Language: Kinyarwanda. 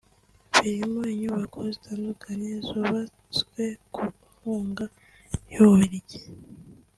birimo inyubako zitandukanye zubatswe ku nkunga y’u Bubiligi